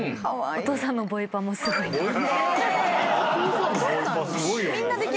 お父さんのボイパもすごいな。